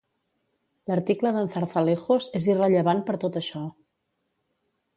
L'article d'en Zarzalejos és irrellevant per tot això.